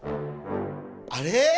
あれ？